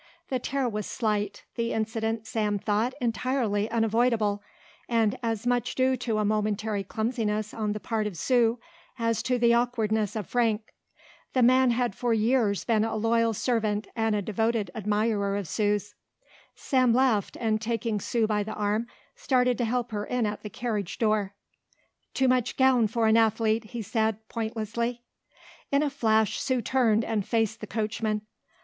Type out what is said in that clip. The tear was slight, the incident Sam thought entirely unavoidable, and as much due to a momentary clumsiness on the part of Sue as to the awkwardness of Frank. The man had for years been a loyal servant and a devoted admirer of Sue's. Sam laughed and taking Sue by the arm started to help her in at the carriage door. "Too much gown for an athlete," he said, pointlessly. In a flash Sue turned and faced the coachman.